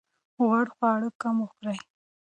غوړ خواړه کم وخورئ.